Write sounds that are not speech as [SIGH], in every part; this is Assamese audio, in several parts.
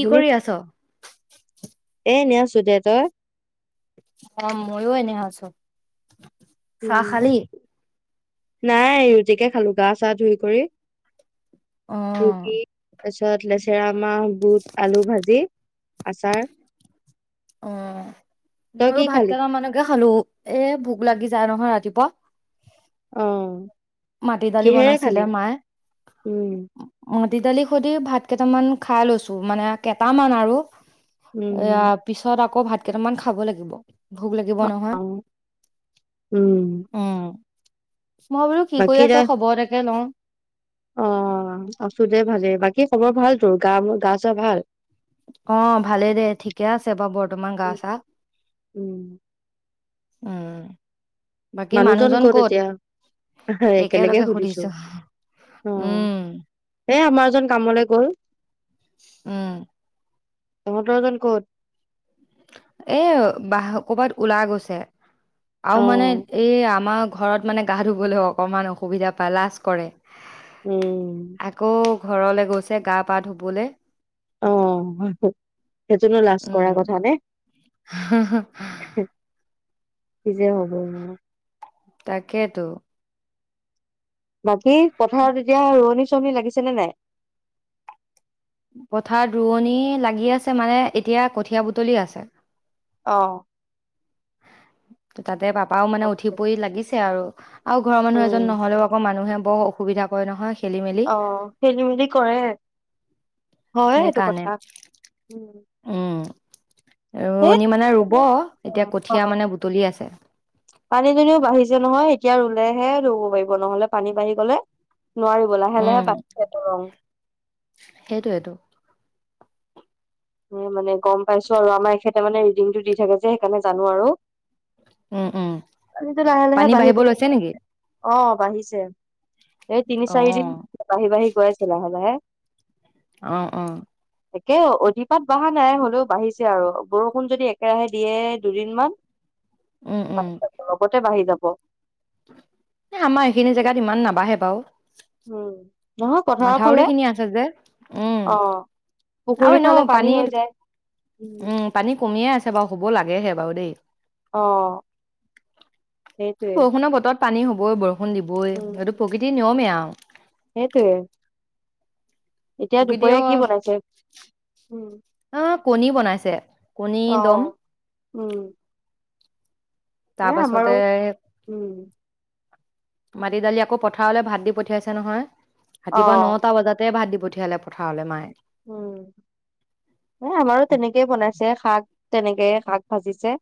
কি কৰি আছ? এই নিউচ এতিয়া তই অ মইয়ো এনে আছো চাহ উম খালি নাই ৰুটিকে খালো গা চা ধুই কৰি অ তাৰ পিছত লেচেৰা মাহ বুট আলু ভাজি আচাৰ অ তই কি মইয়ো ভাত খালি কেইটামানকে খালো এ ভোক লাগি যায় নহয় ৰাতিপুৱা অ মাটি দালি কিহেৰে খালি বনাইছিলে মায়ে উম মাতি দালি সৈতে ভাত কেইটামান খাই লৈছো মানে কেটামান আৰু উম এইয়া পিছত আকৌ ভাত কেইটামান খাব লাগিব ভোক লাগিব নহয় অ উম উম ম বোলো কি কৈ বাকী আছ দে খবৰ তাকে লওঁ অ আছো দে ভালে বাকি খবৰ ভাল তোৰ গা বোন অ ভালেই দে ঠিকে আছে বাৰু বৰ্তমান গা উম চা উম উম মানুহজন ক'ত এতিয়া একেলগে সুধিছো অ উম, এ আমাৰ জন কামলে গল উম তহতৰ জন ক'ত এ বাহ ক'ৰবাত ওলাই গৈছে আ অ মানে এই আ আমাৰ ঘৰত মানে গা ধুবলৈ অকণমান অসুবিধা পায় লাজ কৰে উম আকৌ ঘৰলে গৈছে ছে গা পা ধুবলে। অঁ, সেইটোনো লাজ কৰা উম কথা নে! [UNINTELLIGIBLE] কি যে হ'ব ন! তাকেতো। বাকী পথাৰত এতিয়া ৰোৱনী চোৱনি লাগিছেনে নাই? পথাৰ ৰোৱনী লাগি আছে মানে এতিয়া কঠীয়া বুটলি আছে। অঁ। তাতে বাপ [UNINTELLIGIBLE] মানে উঠি পৰি লাগিছে আৰু। আৰু ঘৰৰ মানুহ এজন উম নহলেও আক' মানুহে বৰ অসুবিধা কৰে নহয়। খেলি মেলি অঁ খেলি মেলি কৰে। হয় এইটো সেইকাৰণে কথা, উম। উম সেই ৰোৱনী মানে ৰুব অ এতিয়া কঠীয়া অ', মানে বুটলি আছে। তিয়া ৰুলেহে ৰুব পাৰিব নহলে পানী বাঢ়ি গলে নোৱাৰিব লাহে লাহে উম [UNINTELLIGIBLE] সেইটোয়েতো এ মানে গম পাইছো আৰু আমাৰ এখেতে মানে ৰিডিংটো দি থাকে যে সেইকাৰণে জানো আৰু। উম উম। পানী বাঢ়িব লৈছে নেকি? অঁ বাঢ়িছে। এই তিনি চাৰিদিন অ', বাঢ়ি বাঢ়ি গৈ আছে লাহে লাহে। অঁ অঁ। তাকে অধিক তাত বাঢ়া নাই হলেও বাঢ়িছে আৰু বৰষুণ যদি একেৰাহে দিয়ে দুদিনমান উম, উম, [UNINTELLIGIBLE] বাঢ়ি যাব। এ আমাৰ এইখিনি জেগাত ইমান নাবাঢ়ে বাৰু। উম। নহয় পথাৰৰ মাথাউৰি ফালে, খিনি আছে যে, উম, অঁ। আৰু পুখুৰীৰ এনেও ফালে পানী হৈ যায়। উম পানী কমিয়ে আছে। [UNINTELLIGIBLE] বাৰু হব লাগে হে বাৰু দেই। অঁ, সেইটোৱে। বৰষুণৰ বতৰত পানী হবয়ে বৰু । বৰষণ দিবয়ে উম এইটো প্ৰকৃতিৰ নিয়মে আও। অহ। সেইটোৱে। এতিয়া দুপৰীয়া প্ৰকৃতিয়েও কি বনাইছে? উম। অ', কণী বনাইছে। অ কণীৰ দ'ম। উম। এ আমাৰো তাৰপাছতে উম মাটি দালি আকৌ পথাৰলৈ ভাত দি পঠিয়াইছে নহয়। অ ৰাতিুৱা ন তটা বজাতে ভাত পঠিয়ালে পথাৰলৈ মায়ে। উম। এ আমাৰো তেনেকেই বনাইছে শাক তেনেকে শাক ভাজিছে।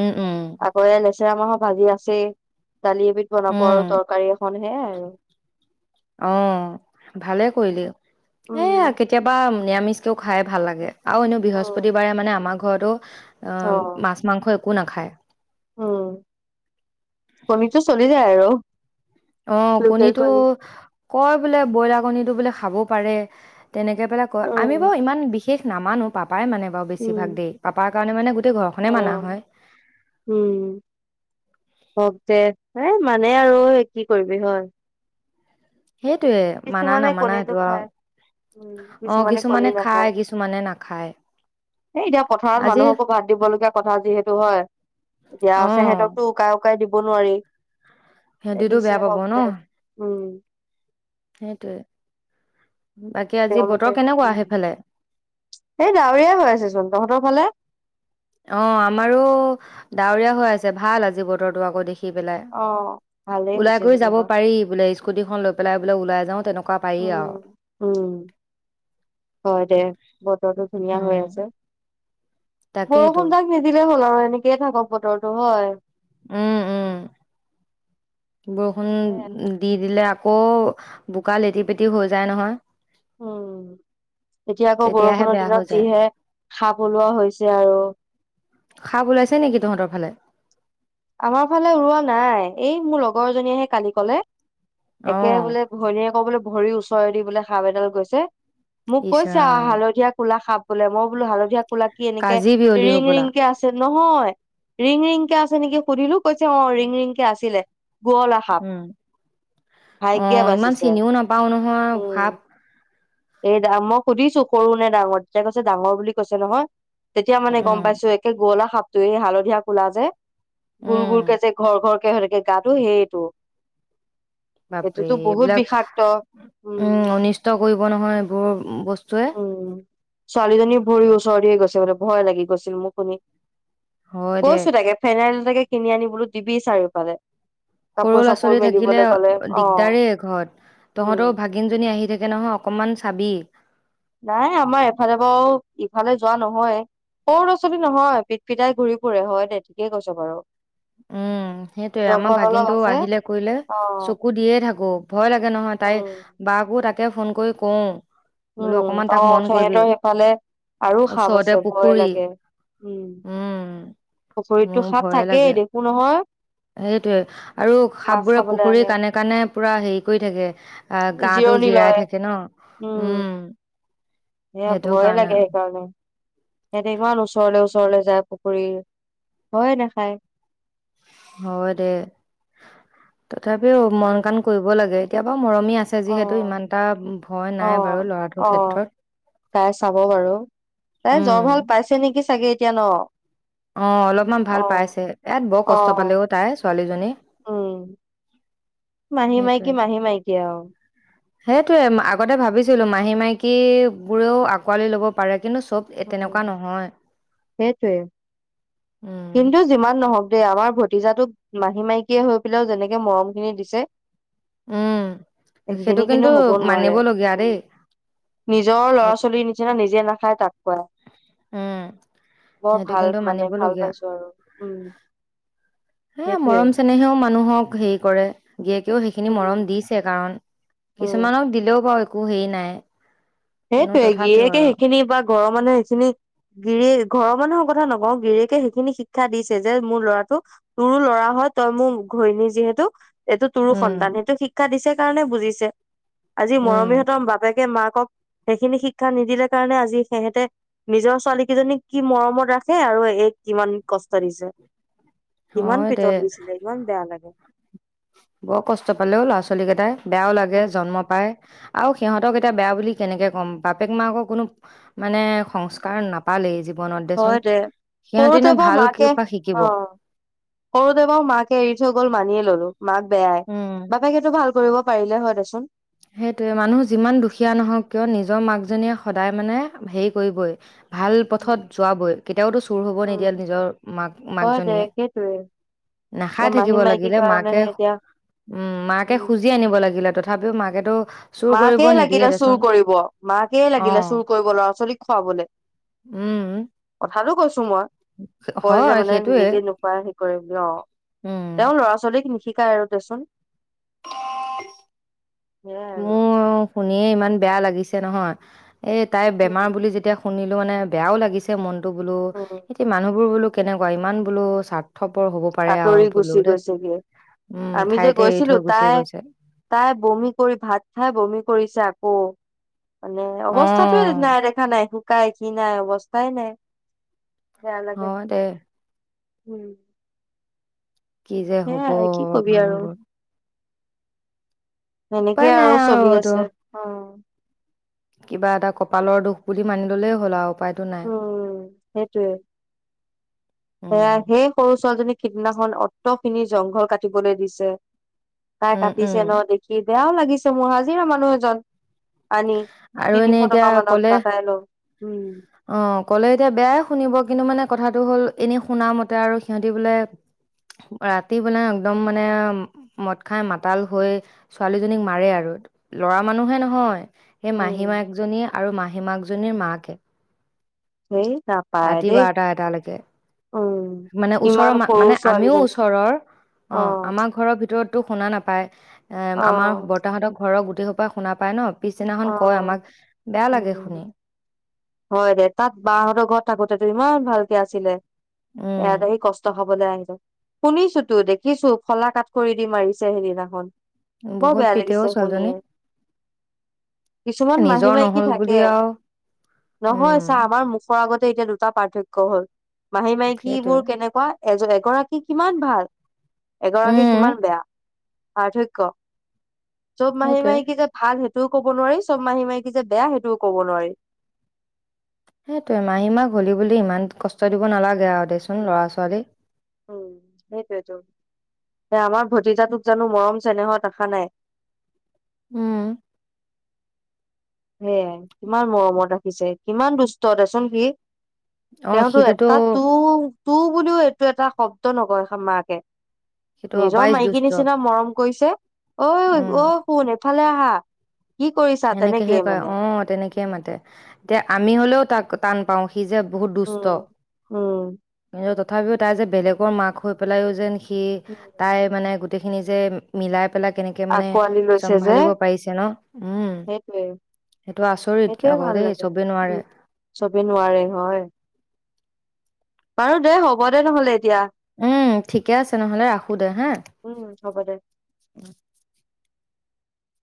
উম-উম। চেৰা মাহৰ ভাজি আছেই। দালি এবিধ বনাব আৰু উম, তৰকাৰী এখনি। সেয়াই আৰু। অহ, ভালে কৰিলেি। উম এয়া কেতিয়াবা নিৰামিষকেও খাই ভাল লাগে। আৰু এনেও উম বৃহস্পতিবাৰে মানে আমাৰ ঘৰটো অ অহ, মাছ-মাংস একো নাখায়। উম কণীটো চলি যায় আৰু। অহ, লোকেল কণী কণীতটো--কয় বোলে ব্ৰইলাৰ কণীটো বোলে খা খাব পাৰে। তেনেকে পেলাই কওঁ আমি উম বাৰু ইমান বিষ বিশেষ নামানুো পাব পাপাই মানে বাৰু উম বেছিভাগ দেই, পাপাৰ কাৰণে মানে গোটেই অ ঘৰখনে মানা হয়। কওক দে এ মানে আৰু কি কৰিবি হয়। সেইটোয়ে মানা কিছুমানে নামানা কণীটো সেইটো আৰু খায়। উম, অ কিছুমানে কণী খায় নাখায়। কিছুমানে নাখায় হেই এতিয়া পথাৰত আজি মানুহকো ভাত দিব লগগীয়া কথা যিহেতু হয়। এতিয়া অ সিহঁতকতোাই [UNINTELLIGIBLE] কাই দিব নোৱাৰি। সিহঁতিতো দিচ বেয়া হকট উম সেইটোৱে তেওঁলোকে স ডাৱৰীয়াই হৈ আছেচোন তহঁতৰ ফালে অ আমাৰো ডাৱৰীয়া হৈ আছে ভাল আজি বতৰটোো আকৌ দেখি ি পেলাই অ ভালেই ওলাই হৈছে কৰি যাব যেনিবা পাৰি বোলে স্কুটি খন লৈ পেলাই লাই যাওঁ তেক উম উম হয় দে বতৰটো ধুনীয়া হৈ উম। আছে ব তাকেইতো সুম তাক নিদিলে এনেকে থাকক বতৰো হয় উম উম বৰষুণ দি দিলে আকৌ বোকা লেটি পেটি হৈ যায় নহয় উম এতিয়া আকৌ তেতিয়াহে বৰষুণৰ বেয়া হৈ দিনত যায়। যিহে খাপ ওলোৱা হৈছে আৰু খাপ ওলাইছে নেকি তহঁতৰ ফালে আমাৰ ফালে উৰুৱোৱা নাই এই মোৰ লগৰ এজনী আহে কালি কলে একে অ', বোলে ঘণীয়ে কবলৈ ভৰি ওচৰেদি বোলে সাপ এডাল গৈছে মোক ইচ কৈছো ৰাম হালধীয়া কোলা খাপ বোলে মই বোলোালধীয়া পোলাকি এনেকে কাজি বিয়লি ৰিং হ'বলা। ৰিং কেে আছে ন হয় ৰিং ৰিংকে আছে নেকি সুধিলো কৈছে অ ৰিং ৰিংকে আছিলে শুৱলা সাপ উম অ ভাগ্যে ইমান বাচিছে চিনিও নাপাও নহয় ভাৱ এা মই সুধিছো সৰু নে ডাঙৰ তেতিয়া কৈছে ডাঙৰ বুলি কৈছে নহয় তেতিয়া মানে গম উম। পাইছো একে গলা খাপ ত এই হালধীয়া কোলা যে গুৰ উম, গুৰ কে যে ঘৰ ঘৰ সঁতকে গাটো সেইটো বাপৰে সেইটোতো বহুত এইবিলাক বিষাক্ত উম অনিষ্ট কৰিব হ'ব নহয় এইবোৰ বস্তুৱে ছোৱালীজনী ভৰি ওচৰতেে গৈছে মানে ভয় লাগি গৈছিল মোক শুনি হয় দে, কৈছো তাকে ফেনাইল তাকে কিনি আনিবো দিবি চাৰিও পালে সৰু ল'ৰা ছোৱালী থাকিলে অ দিগদাৰেই ঘৰত উম তহঁতও ভাগিন জনী আহি থাকে নহয় অকনমান খাবি । নাই আমাৰ এফালে পৰাাৰও ইফালে যোৱা নহয় সৰু ল'ৰা ছোৱালী নহয় পিট পিটাই ঘূৰি ফুৰে হয় দে ঠিকেই কৈছ বাৰু উম সেইটয়ে আমাৰ জংঘল অলপ ভাগিনটোটো আছে আহিলে কৰিলে অ', চকু দিয়ে থাকো ভয় লাগে নহয় তাই উম, বাাকো তাক তাকে ফোন কৰি কওঁ বোলো অকমান উম অ তাক মন কৰিবি, সিহঁতৰ সেইফালে আৰু সাপ ওচৰতে আছে ভয় পুখুৰী। লাগে উম উম, পুখুৰীতটো সাপ থাকেই দেখ সেইটোৱে আৰু মাছ সাপবোৰে খাবলৈ পুখুৰী আহে। কানে কাণে পুৰা হেৰি কৰি থাকে আহ গাটো জিৰণি জিৰাই লয়, থাকে ন উম সেইটো কাৰণে আৰু সিহতে ইমান ওচৰলে ওচৰলে যায় পুখুৰীৰ হয় নাখায় অ দে তথাপিও মন কাণ কৰিব লাগে কে অ ভয় অ নাই বাৰু ল'ৰাটোৰ অ ক্ষেত্ৰত তাই চাব বাৰু তাই উম জ্বৰ ভাল পাইছে নেকি চাগে কন অ অলপমান ভাল পাইছে ইয়াত বৰ কষ্ট অ', পালেও তাই ছোৱালীজনী উম, মাহী মাইকী মাহী মাইকী আৰু সেইটয়ে আগতে ভাবিছিলো মাহী মাইকী বোৰেও আঁকোৱালি ল'ব পাৰে কিন্তু চব এ উ তেনেকুৱা নহয় সেইটোয় উম কিন্তু যিমান । নহক দেই আমাৰ ভতিজাাটোক মাহী মাইকিয়ীয়ে হৈ পেলাইও যেনেকে মৰম খিনি দিছে উম সেইটো সেইখিনি কিন্তু হব নোৱাৰে মানিবলগীয়া উম দেই নিজৰ লৰা সেইট ছোৱালীৰ নিচিনা নিজে নাখায় তাক বৰ উম সেইটো ভাল কিন্তু মানে ভাল মানিবলগীয়া পাইছো আৰু উম হে সেইটোয়ে মৰম চেনেহেও মানুহক হেৰি কৰে জীয়েকেও সেইখিনি উম মৰম দিছে কাৰণ উম কিছুমানক দিলেও ব একো হেই নাই কিন্তু সেইটয়ে তথাপিও গিৰিয়েকে আৰু সেইখিনি বা ঘৰৰ মানুহে সেইখিনি গিৰিয়ে ঘৰৰ মানুহৰ কথা নকওঁ গিৰিয়কে সেইখিনি শিক্ষা দিছে যে মোৰ ল'ৰাটো তোৰো ল'ৰা হয় তই মোৰ ঘৈণী যিহেতু । এইটো তোৰো উম সন্তান সেইটো শিক্ষা দিছে কাৰণে বুজিছে আজি উম মৰমিহঁতৰ বাপেকে মাক ক'ক সেইখিনি শিক্ষা নিদিলে কাৰণে আজি সেহেতে নিজৰ ছোৱালী কেইজনীক কি মৰমত ৰাখে আৰু এইক কিমান কষ্ট দিছে। কিমান হয় দে পিতন দিছিলে ইমান বেয়া লাগে। বৰ কষ্ট পালেও লৰা ছোৱালী কেটাই। বেয়াও লাগে জন্ম পাই আৰু সিহঁতক এতিয়া বেয়া বুলি কেনেকৈ কম বাপেক মাকৰ কোনো মানে সংস্কাৰ নাপালেই জীৱনত দেচোন হয় দে সিহঁতিনো সৰুতে বৰ ভাল মাকে কিপা শিকিব অহ সৰুতেই বৰ মাকে এৰি থৈ গল মানিয়ে ললো। মাক বেয়াই উম বাপেকেটো ভাল। কৰিব পাৰিলে হয় দেচোন। সেইটোয়ে জনীয়ে সদায় মানে হেৰি কৰিবই ভাল পথত উম যোৱাবই কেতিয়াওতো চুৰ হব নিদিয়ে নিজৰ মাক- মাক হয় দে জনীয়ে সেইটোয়ে নাখাই এতিয়া মাহী থাকিব মাইকীৰ লাগিলে মাকে কাৰণেহে এতিয়া উম মাকে খুজি আনিব লাগিলে তথা তথাপিও মাকে মাকে লাগিলে চুৰ কৰিব- মাকে লাগিলে অ', চুৰ কৰিব ল'ৰা ছোৱালীক খোৱাবলে উম, কথাটো কৈছো মই কয় যে হয় মানে সেইটোয়ে নিজে নোখোৱাই সেই কৰে বুলি অহ উম, তেওঁ ল'ৰা ছোৱালীক নিশি শিকাই আৰু দেচোন । সেয়াই আৰু। মোৰ শুনিয়ে ইমান বেয়া লাগিছে নহয়। এই তাইৰ বেমাৰ উম বুলি যেতিয়া শুনিলো এইটো মানে বেয়াও লাগিছে মন বোলো উম এতিয়া মানুহবোৰ বোলো কেনেকুৱা ইমান বোলো স্বা আতৰি গুচি গৈছেগে উম, আমি যে ঠাইতে এৰি গৈছিলো থৈ গুচি তাই- গৈছে -তাই বমি কৰি ভাত হে বমি কৰিছে আকৌ। মানে অৱস্থাটোয়ে অ', নাই দেখা নাই শুকাই খীণাই অবস্থা পাই নে। হয় দে। উম, কি যে হব সেয়াই কি কবি আৰু মানুহবোৰ উপায় সেনেকে নাই আৰু চলি এইটো আছে অহ। কিবা এটা কপালৰ দুখ বুলি মানি ললেই হ'ল আৰু। উপায়তো নাই। উম সেইটোয়ে সেয়া উম। সেই সৰু ছোৱালীজনীক সিদিনাখন অট পিনি জংঘল কাটিবলৈ দিছে । তাই উম, উম, কাটিছে ন দেখি । বেয়াও লাগিছে মোৰ হাজিৰা মানুহ এজন আনি আৰু এনেই তিনিশ এতিয়া টকা ক'লে মানত কাটাই লো অ কলে এতিয়া বেয়াই শুনিব কিন্তু মানে । কথাটো হ'ল এনেই শুনা মতে আৰু সিহঁতি বোলে ৰাতি বোলে একদম মানে মদ খাই মাতাল হৈ ছোৱালীজনীক মাৰে আৰু লৰা মানুহে নহয় । সেই মাহী উম মা একজনী । আৰু মাহী মাকজনীৰ মাকে হম । আতি পাঠ এতালকে । উম মানে ওচৰৰ ইমান সৰু মানে আমিও ছোৱালীজনী ওচৰৰ অ আমাৰ ঘৰৰ ভিতৰত টো শুনা নাপায় এ অ আমাৰ বৰ্তাহতক ঘৰৰ গোটেইোপ শুনা প ন পিছদিনাখন অ কয় আমাক বেয়া লাগে উম শুনি হয় দে তাত বহঁতৰ ঘৰত থাকোতে ইমান ভালকে আছিলে । উম। এয়াতে কষ্ট খাবলৈ আহিছে । শুনিছো তো দেখিছো ফলা কাট কৰি দি মাৰিছে সেইদিনাখন । বহু বহুত বেয়া পিতে অ লাগিছে ছোৱালীজনী সুনিয় কিছুমান মাহী নিজৰ মাইকী নহল বুলি থাকে আৰু নহয় উম চা আমাৰ মুখত । আগতে এতিয়া দুটা পাৰ্থক্য হ'ল । মাহী মাইকীবোৰ সেইটোৱে কেনেকুৱা । এজ এগৰাকী কিমান ভাল । এগৰাকী উম কিমান বেয়া পাৰ্থক্য । য'ব মাহি সেইটোৱে মাহ কি যে ভাল সেইটোও ক'ব নোৱাৰি চব মাহী মাহীকী যে বেয়া সেইটোও কব নোৱাৰি সেইটোোৱ এমাহী মাহ হলি বুলি ইমান কষ্ট দিব নালাগে আৰু দেচোন উম ল'ৰা ছোৱালী উম সেইটোোৱেতো আমাৰ ভতিজাটোক জানো মৰম চেনেহৰ দেখা নাই উম সেয়াই কিমান মৰমত ৰাখিছে কিমান দুষ্ট দেচোন সি অ তেওঁতো সিটোতো এটা তু তু বুলিও এই । টো এটা শব্দ নকয় মাকে । সিটো নিজৰ অবাইচ মাইকী দুষ্ট নিচিনা মৰম কৈছে অহ, ঐ উম অহ, শুন এক ভালে আহা। কি কৰিছা? তেনেকে অহ, তেনেকে মাতে। আমি হলেও টাক-টান পাওঁ। সি যে বহুত দুষ্ট। উম উম তথাপিও তাই যে বেলেগৰ মাক হৈ পেলাইো যেন সি, উম তাই মানে গোটেইখিনি যে মিলাই পেলাই কেনেকে মানে আকোৱালি লৈছে যে চম্ভালিব পাৰিছে ন? উম সেইটোৱে, সেইটো আচৰিত সেইটোৱে আকৌ ভাল দেই লাগে। চবেই নোৱাৰে উম, ছবি নোৱাৰে হয়। বাৰু দে হ'ব দে নহ'লে। এতিয়া উম, ঠিকে আছে নহলে ৰাখো দে হা? উম হ'ব দে